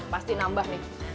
pasti nambah nih